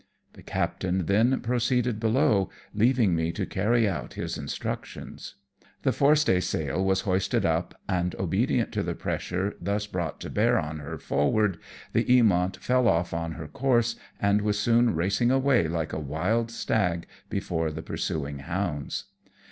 The captain then proceeded below, leaving me to carry out his instructions. The forestaysail was hoisted up, and, obedient to the pressure thus brought to bear on her forward, the Eamont fell off on her course, and was soon racing away like a wild stag before the pursuing hounds.